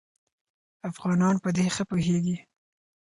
افغانان په دې ښه پوهېږي.